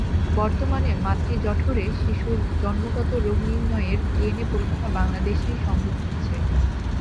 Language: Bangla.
বর্তমানে মাতৃজঠরে শিশুর জন্মগত রোগ নির্ণয়ের ডিএনএ পরীক্ষা বাংলাদেশেই সম্ভব হচ্ছে।